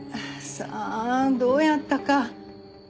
さあどうやったか。